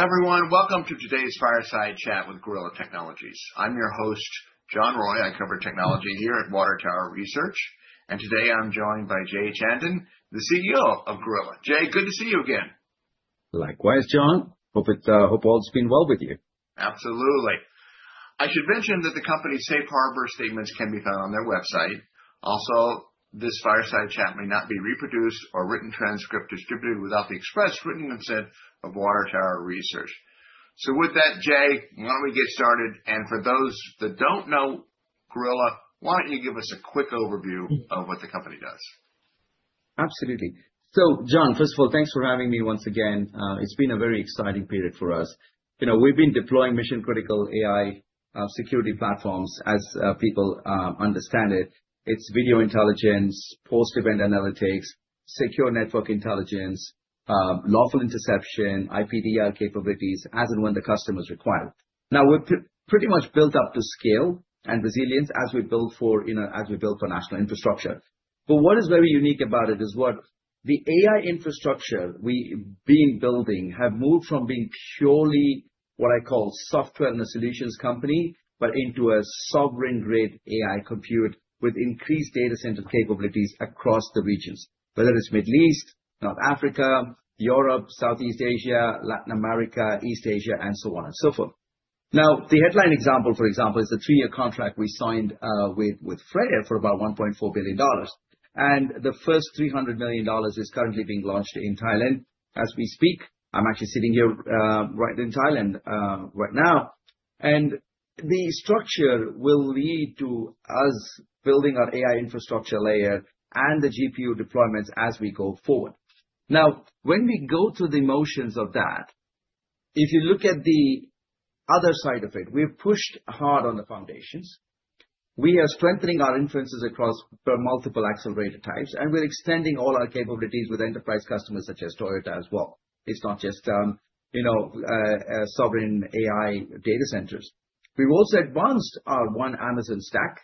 Well, everyone, welcome to today's fireside chat with Gorilla Technology. I'm your host, John Roy. I cover technology here at Water Tower Research, and today I'm joined by Jay Chandan, the CEO of Gorilla. Jay, good to see you again. Likewise, John. Hope it's all has been well with you. Absolutely. I should mention that the company's safe harbor statements can be found on their website. Also, this fireside chat may not be reproduced or written transcript distributed without the express written consent of Water Tower Research. So with that, Jay, why don't we get started? And for those that don't know Gorilla, why don't you give us a quick overview of what the company does? Absolutely. So, John, first of all, thanks for having me once again. It's been a very exciting period for us. You know, we've been deploying mission-critical AI security platforms, as people understand it. It's video intelligence, post-event analytics, secure network intelligence, lawful interception, IPDR capabilities, as and when the customer's required. Now, we've pretty much built up to scale and resilience as we build for, you know, as we build for national infrastructure. But what is very unique about it is what the AI infrastructure we've been building has moved from being purely what I call software and the solutions company, but into a sovereign-grade AI compute with increased data center capabilities across the regions, whether it's Middle East, North Africa, Europe, Southeast Asia, Latin America, East Asia, and so on and so forth. Now, the headline example, for example, is the three-year contract we signed with Freyr for about $1.4 billion. And the first $300 million is currently being launched in Thailand as we speak. I'm actually sitting here right in Thailand right now. And the structure will lead to us building our AI infrastructure layer and the GPU deployments as we go forward. Now, when we go through the motions of that, if you look at the other side of it, we've pushed hard on the foundations. We are strengthening our inferences across multiple accelerator types, and we're extending all our capabilities with enterprise customers such as Toyota as well. It's not just, you know, sovereign AI data centers. We've also advanced our O.N.E. Amazon stack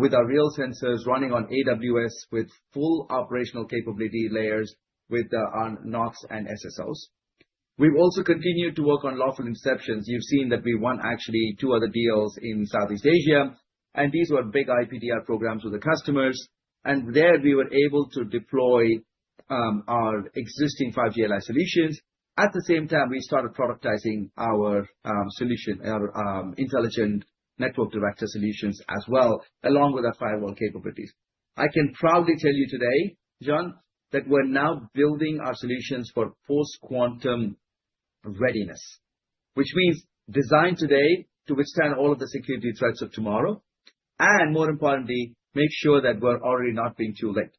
with our real sensors running on AWS with full operational capability layers with our NOCs and SSOs. We've also continued to work on lawful interceptions. You've seen that we won actually two other deals in Southeast Asia, and these were big IPDR programs with the customers, and there we were able to deploy our existing 5G LI solutions. At the same time, we started productizing our solution, our intelligent network director solutions as well, along with our firewall capabilities. I can proudly tell you today, John, that we're now building our solutions for post-quantum readiness, which means design today to withstand all of the security threats of tomorrow, and more importantly, make sure that we're already not being too late.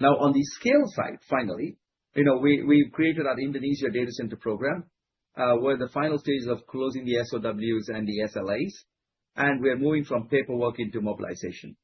Now, on the scale side, finally, you know, we've created our Indonesia data center program. We're in the final stage of closing the SOWs and the SLAs, and we're moving from paperwork into mobilization.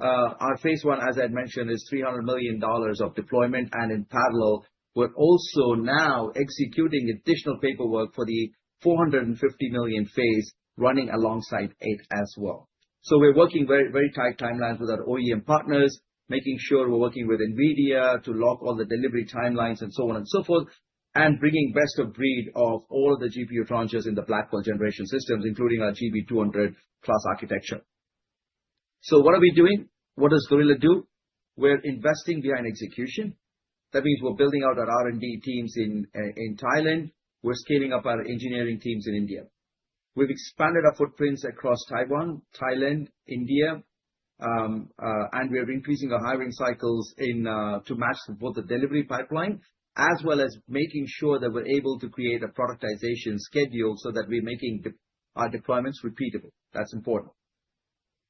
Our phase I, as I'd mentioned, is $300 million of deployment, and in parallel, we're also now executing additional paperwork for the $450 million phase running alongside it as well. So we're working very, very tight timelines with our OEM partners, making sure we're working with NVIDIA to lock all the delivery timelines and so on and so forth, and bringing the best of breed of all of the GPU tranches in the Blackwell generation systems, including our GB200 plus architecture. So what are we doing? What does Gorilla do? We're investing behind execution. That means we're building out our R&D teams in Thailand. We're scaling up our engineering teams in India. We've expanded our footprints across Taiwan, Thailand, India, and we're increasing our hiring cycles to match both the delivery pipeline as well as making sure that we're able to create a productization schedule so that we're making our deployments repeatable. That's important.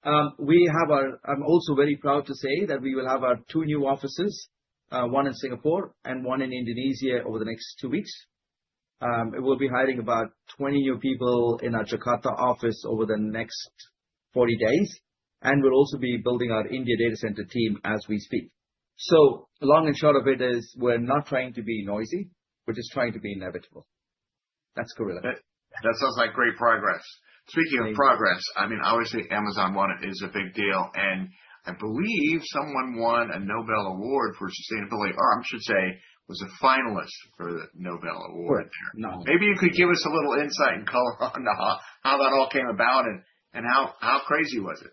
I'm also very proud to say that we will have our two new offices, one in Singapore and one in Indonesia over the next two weeks. We'll be hiring about 20 new people in our Jakarta office over the next 40 days, and we'll also be building our India data center team as we speak. So long and short of it is we're not trying to be noisy. We're just trying to be inevitable. That's Gorilla. That sounds like great progress. Speaking of progress, I mean, obviously Amazon is a big deal, and I believe someone won a Nobel Award for, or I should say was a finalist for the Nobel Award. Correct. Maybe you could give us a little insight and color on how that all came about and how crazy was it?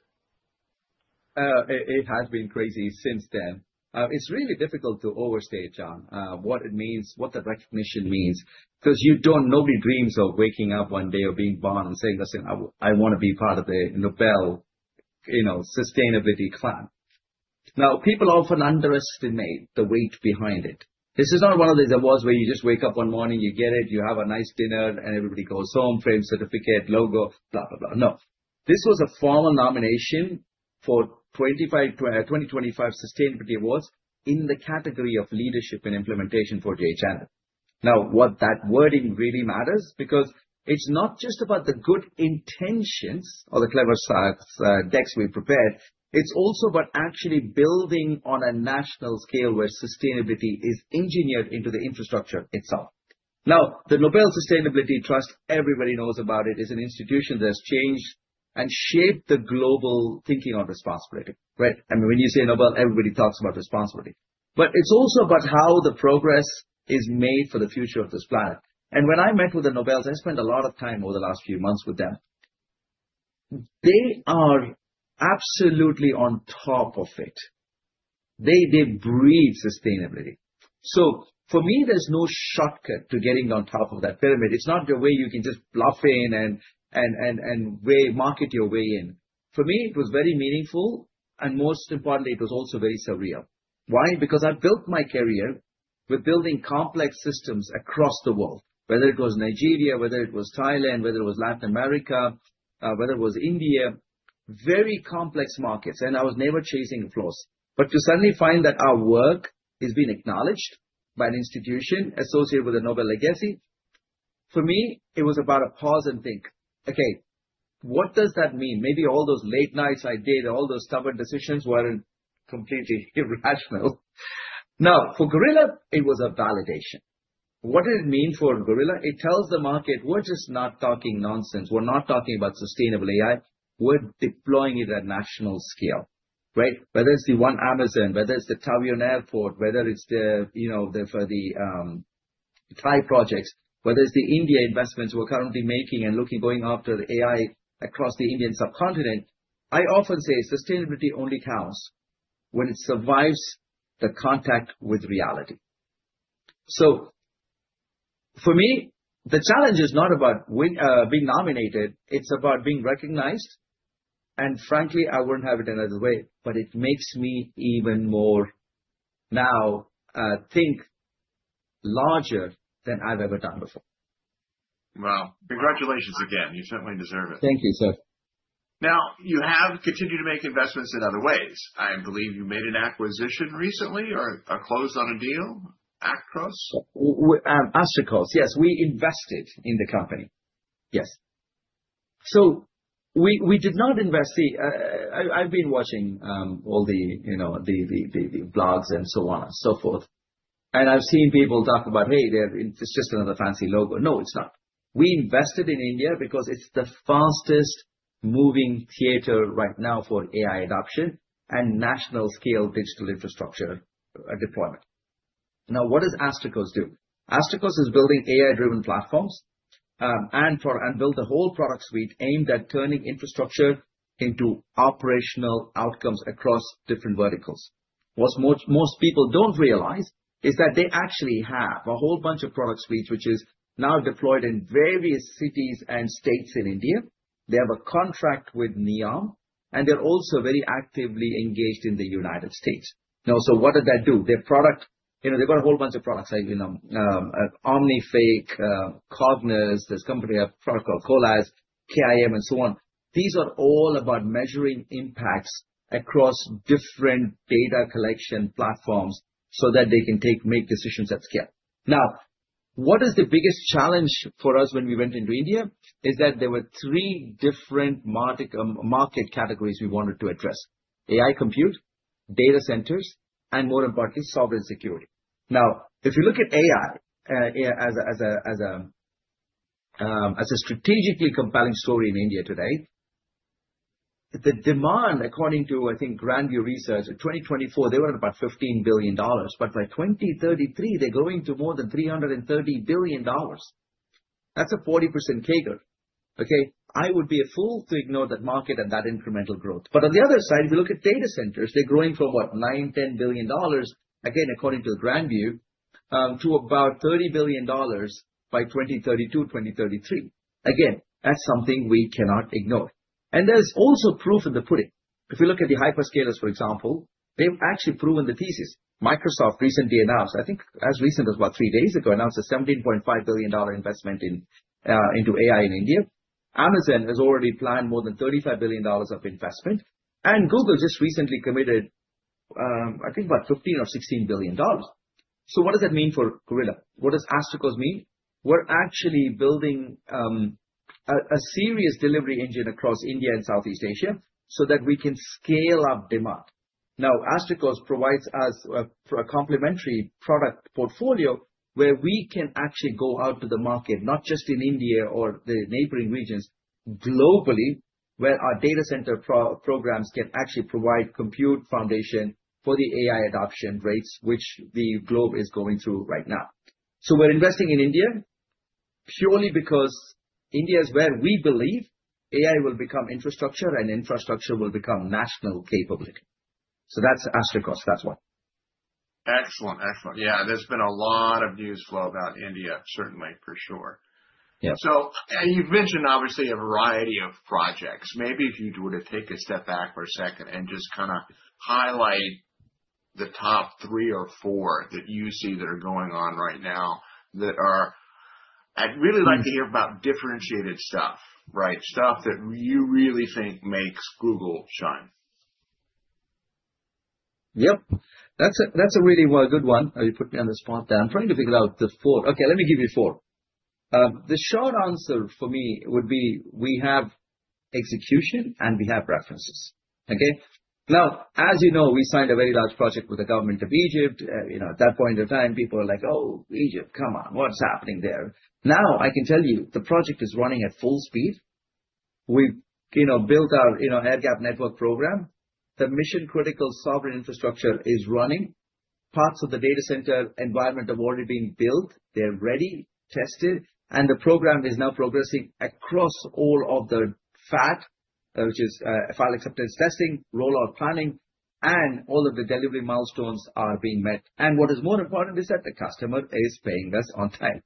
It has been crazy since then. It's really difficult to overstate, John, what it means, what the recognition means, because nobody dreams of waking up one day or being born and saying, "Listen, I want to be part of the Nobel, you know, sustainability plan." Now, people often underestimate the weight behind it. This is not one of those awards where you just wake up one morning, you get it, you have a nice dinner, and everybody goes home, frame certificate, logo, blah, blah, blah. No. This was a formal nomination for 2025 Sustainability Awards in the category of leadership and implementation for Jay Chandan. Now, what that wording really matters because it's not just about the good intentions or the clever stacks we prepared. It's also about actually building on a national scale where sustainability is engineered into the infrastructure itself. Now, the Nobel Sustainability Trust, everybody knows about it, is an institution that has changed and shaped the global thinking on responsibility, right? I mean, when you say Nobel, everybody talks about responsibility. But it's also about how the progress is made for the future of this planet, and when I met with the Nobels, I spent a lot of time over the last few months with them. They are absolutely on top of it. They breathe sustainability, so for me, there's no shortcut to getting on top of that pyramid. It's not the way you can just bluff in and market your way in. For me, it was very meaningful, and most importantly, it was also very surreal. Why? Because I built my career with building complex systems across the world, whether it was Nigeria, whether it was Thailand, whether it was Latin America, whether it was India, very complex markets, and I was never chasing flaws, but to suddenly find that our work is being acknowledged by an institution associated with a Nobel legacy, for me, it was about a pause and think, "Okay, what does that mean?" Maybe all those late nights I did, all those stubborn decisions weren't completely irrational. Now, for Gorilla, it was a validation. What did it mean for Gorilla? It tells the market, "We're just not talking nonsense. We're not talking about sustainable AI. We're deploying it at national scale," right? Whether it's the O.N.E. Amazon, whether it's the Taiwan Airport, whether it's the, you know, for the Thai projects, whether it's the India investments we're currently making and looking, going after the AI across the Indian subcontinent, I often say sustainability only counts when it survives the contact with reality, so for me, the challenge is not about being nominated. It's about being recognized, and frankly, I wouldn't have it another way, but it makes me even more now think larger than I've ever done before. Wow. Congratulations again. You certainly deserve it. Thank you, sir. Now, you have continued to make investments in other ways. I believe you made an acquisition recently or closed on a deal, Astrikos? Astrikos, yes. We invested in the company. Yes. So we did not invest. I've been watching all the, you know, the blogs and so on and so forth. And I've seen people talk about, "Hey, it's just another fancy logo." No, it's not. We invested in India because it's the fastest moving theater right now for AI adoption and national scale digital infrastructure deployment. Now, what does Astrikos do? Astrikos is building AI-driven platforms and built a whole product suite aimed at turning infrastructure into operational outcomes across different verticals. What most people don't realize is that they actually have a whole bunch of product suites, which is now deployed in various cities and states in India. They have a contract with NEOM, and they're also very actively engaged in the United States. Now, so what did that do? Their product, you know, they've got a whole bunch of products, you know, Omnific, Cognus, this company we have a product called Kolaz, KIM, and so on. These are all about measuring impacts across different data collection platforms so that they can make decisions at scale. Now, what is the biggest challenge for us when we went into India is that there were three different market categories we wanted to address: AI compute, data centers, and more importantly, sovereign security. Now, if you look at AI as a strategically compelling story in India today, the demand, according to, I think, Grand View Research, in 2024, they were at about $15 billion, but by 2033, they're going to more than $330 billion. That's a 40% CAGR. Okay? I would be a fool to ignore that market and that incremental growth. But on the other side, if you look at data centers, they're growing from what, $9-$10 billion, again, according to Grand View, to about $30 billion by 2032, 2033. Again, that's something we cannot ignore. And there's also proof in the pudding. If you look at the hyperscalers, for example, they've actually proven the thesis. Microsoft recently announced, I think as recent as about three days ago, announced a $17.5 billion investment into AI in India. Amazon has already planned more than $35 billion of investment. And Google just recently committed, I think, about $15 or $16 billion. So what does that mean for Gorilla? What does Astrikos mean? We're actually building a serious delivery engine across India and Southeast Asia so that we can scale up demand. Now, Astrikos provides us a complementary product portfolio where we can actually go out to the market, not just in India or the neighboring regions, globally, where our data center programs can actually provide compute foundation for the AI adoption rates, which the globe is going through right now. So we're investing in India purely because India is where we believe AI will become infrastructure and infrastructure will become national capability. So that's Astrikos. That's one. Excellent. Excellent. Yeah. There's been a lot of news flow about India, certainly, for sure. Yeah. So you've mentioned, obviously, a variety of projects. Maybe if you were to take a step back for a second and just kind of highlight the top three or four that you see that are going on right now that are, I'd really like to hear about differentiated stuff, right? Stuff that you really think makes Gorilla shine. Yep. That's a really good one. You put me on the spot there. I'm trying to figure out the four. Okay, let me give you four. The short answer for me would be we have execution and we have references. Okay? Now, as you know, we signed a very large project with the government of Egypt. You know, at that point in time, people were like, "Oh, Egypt, come on. What's happening there?" Now, I can tell you the project is running at full speed. We've, you know, built our, you know, Air Gap Network program. The mission-critical sovereign infrastructure is running. Parts of the data center environment have already been built. They're ready, tested, and the program is now progressing across all of the FAT, which is Factory Acceptance Testing, rollout planning, and all of the delivery milestones are being met. What is more important is that the customer is paying us on time.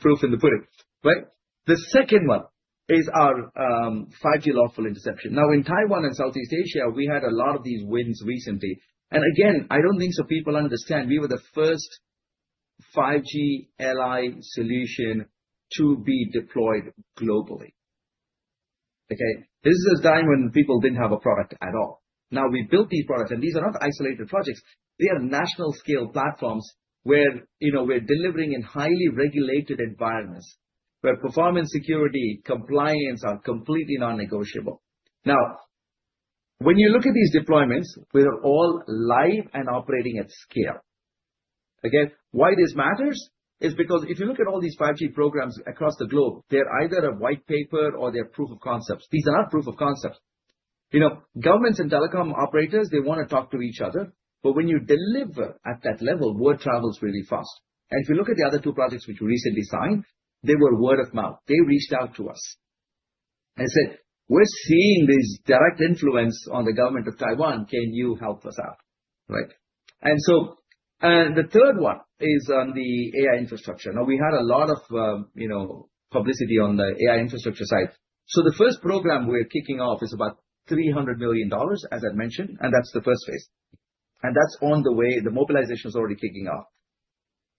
Proof in the pudding. Right? The second one is our 5G lawful interception. Now, in Taiwan and Southeast Asia, we had a lot of these wins recently. And again, I don't think most people understand we were the first 5G LI solution to be deployed globally. Okay? This is a time when people didn't have a product at all. Now, we built these products, and these are not isolated projects. They are national scale platforms where, you know, we're delivering in highly regulated environments where performance, security, compliance are completely non-negotiable. Now, when you look at these deployments, we're all live and operating at scale. Okay? Why this matters is because if you look at all these 5G programs across the globe, they're either a white paper or they're proof of concepts. These are not proof of concepts. You know, governments and telecom operators, they want to talk to each other, but when you deliver at that level, word travels really fast, and if you look at the other two projects which we recently signed, they were word of mouth. They reached out to us and said, "We're seeing this direct influence on the government of Taiwan. Can you help us out?" Right, and so the third one is on the AI infrastructure. Now, we had a lot of, you know, publicity on the AI infrastructure side. So the first program we're kicking off is about $300 million, as I mentioned, and that's the first phase, and that's on the way. The mobilization is already kicking off.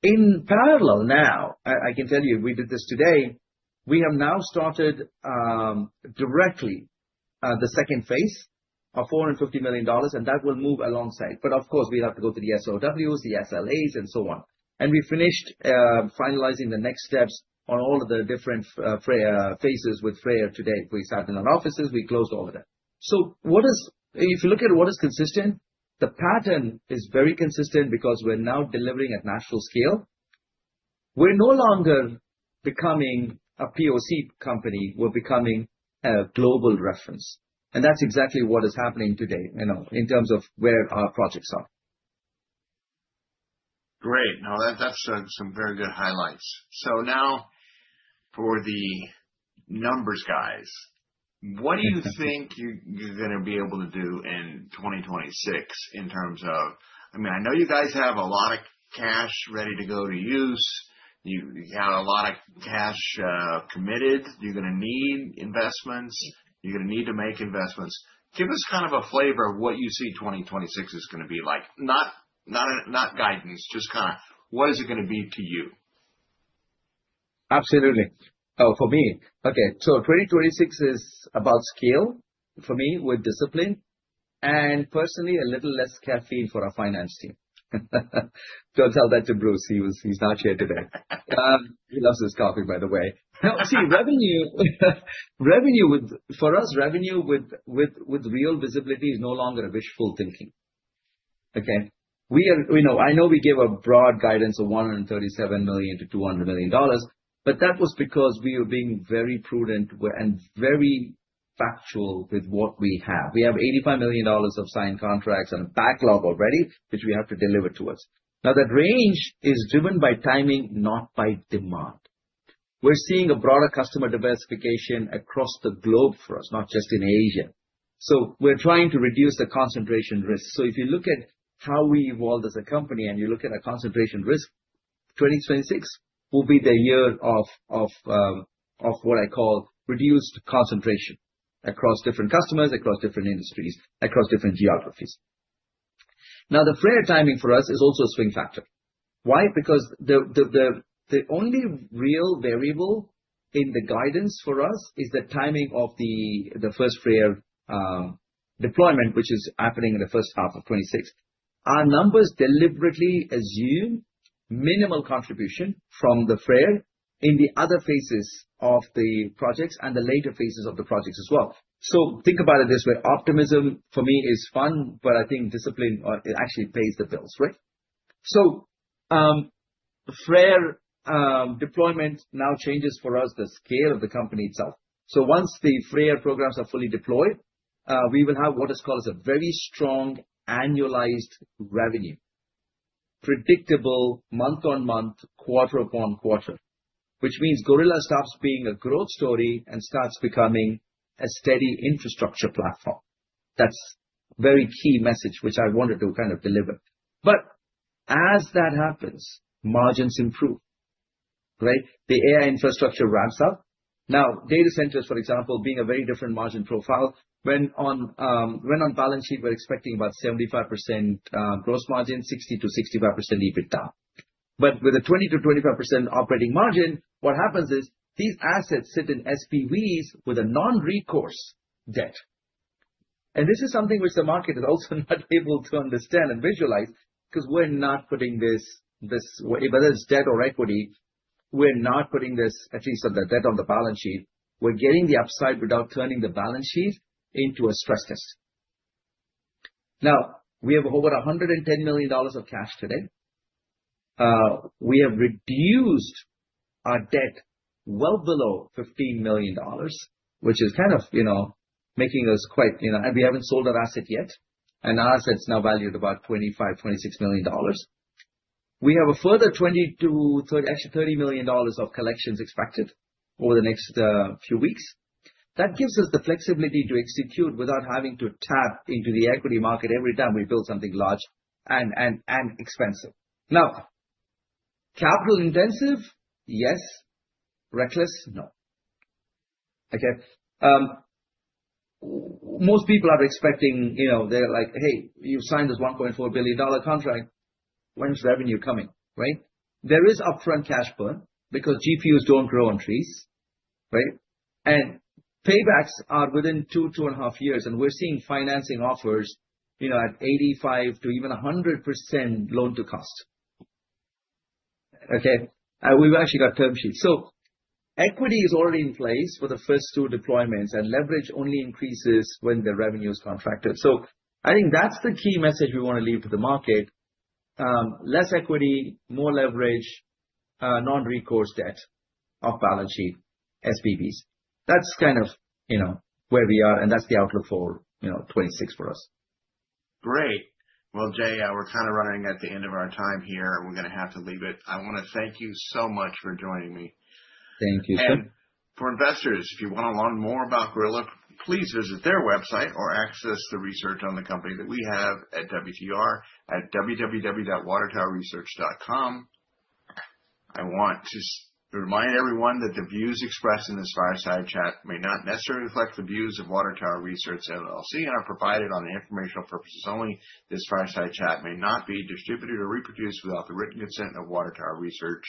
In parallel now, I can tell you we did this today. We have now started directly the second phase of $450 million, and that will move alongside, but of course, we have to go through the SOWs, the SLAs, and so on, and we finished finalizing the next steps on all of the different phases with Freyr today. We sat in our offices. We closed all of that, so what is, if you look at what is consistent, the pattern is very consistent because we're now delivering at national scale. We're no longer becoming a POC company. We're becoming a global reference, and that's exactly what is happening today, you know, in terms of where our projects are. Great. No, that's some very good highlights. So now for the numbers, guys, what do you think you're going to be able to do in 2026 in terms of, I mean, I know you guys have a lot of cash ready to go to use. You had a lot of cash committed. You're going to need investments. You're going to need to make investments. Give us kind of a flavor of what you see 2026 is going to be like. Not guidance, just kind of what is it going to be to you? Absolutely. For me, okay, so 2026 is about scale for me with discipline and personally a little less caffeine for our finance team. Don't tell that to Bruce. He's not here today. He loves his coffee, by the way. No, see, revenue, for us, revenue with real visibility is no longer a wishful thinking. Okay? We are, you know, I know we gave a broad guidance of $137 million-$200 million, but that was because we were being very prudent and very factual with what we have. We have $85 million of signed contracts and a backlog already, which we have to deliver towards. Now, that range is driven by timing, not by demand. We're seeing a broader customer diversification across the globe for us, not just in Asia. So we're trying to reduce the concentration risk. So if you look at how we evolved as a company and you look at our concentration risk, 2026 will be the year of what I call reduced concentration across different customers, across different industries, across different geographies. Now, the Freyr timing for us is also a swing factor. Why? Because the only real variable in the guidance for us is the timing of the first Freyr deployment, which is happening in the first half of 2026. Our numbers deliberately assume minimal contribution from the Freyr in the other phases of the projects and the later phases of the projects as well. So think about it this way. Optimism for me is fun, but I think discipline actually pays the bills, right? So Freyr deployment now changes for us the scale of the company itself. So once the Freyr programs are fully deployed, we will have what is called a very strong annualized revenue, predictable month-on-month, quarter-upon-quarter, which means Gorilla stops being a growth story and starts becoming a steady infrastructure platform. That's a very key message, which I wanted to kind of deliver. But as that happens, margins improve, right? The AI infrastructure ramps up. Now, data centers, for example, being a very different margin profile, when on balance sheet, we're expecting about 75% gross margin, 60%-65% EBITDA. But with a 20%-25% operating margin, what happens is these assets sit in SPVs with a non-recourse debt. This is something which the market is also not able to understand and visualize because we're not putting this, whether it's debt or equity, we're not putting this, at least on the debt on the balance sheet, we're getting the upside without turning the balance sheet into a stress test. Now, we have over $110 million of cash today. We have reduced our debt well below $15 million, which is kind of, you know, making us quite, you know, and we haven't sold our asset yet. And our asset's now valued about $25-$26 million. We have a further $20-$30 million of collections expected over the next few weeks. That gives us the flexibility to execute without having to tap into the equity market every time we build something large and expensive. Now, capital intensive, yes. Reckless, no. Okay? Most people are expecting, you know, they're like, "Hey, you signed this $1.4 billion contract. When's revenue coming?" Right? There is upfront cash burn because GPUs don't grow on trees, right? And paybacks are within two, two and a half years. And we're seeing financing offers, you know, at 85%-100% loan to cost. Okay? We've actually got term sheets. So equity is already in place for the first two deployments, and leverage only increases when the revenue is contracted. So I think that's the key message we want to leave to the market. Less equity, more leverage, non-recourse debt off balance sheet, SPVs. That's kind of, you know, where we are, and that's the outlook for, you know, 2026 for us. Great. Well, Jay, we're kind of running at the end of our time here. We're going to have to leave it. I want to thank you so much for joining me. Thank you, sir. For investors, if you want to learn more about Gorilla, please visit their website or access the research on the company that we have at WTR at www.watertowerresearch.com. I want to remind everyone that the views expressed in this fireside chat may not necessarily reflect the views of Water Tower Research LLC and are provided on informational purposes only. This fireside chat may not be distributed or reproduced without the written consent of Water Tower Research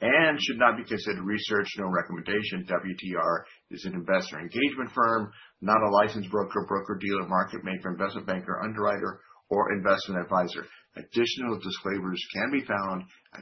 and should not be considered research nor recommendation. WTR is an investor engagement firm, not a licensed broker or broker-dealer market maker, investment banker, underwriter, or investment advisor. Additional disclaimers can be found at.